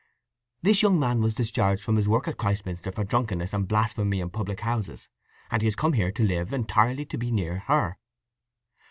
"This young man was discharged from his work at Christminster for drunkenness and blasphemy in public houses, and he has come here to live, entirely to be near her."